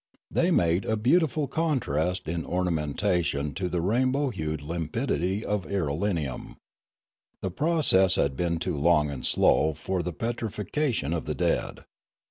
They made a beautiful contrast in ornamen tation to the rainbow hued limpidity of irelium. The process had been too long and slow for the petrifaction of the dead.